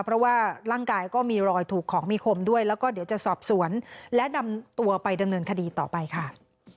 เพราะว่าร่างกายก็มีรอยถูกของมีคมด้วยแล้วก็เดี๋ยวจะสอบสวนและนำตัวไปดำเนินคดีต่อไปค่ะ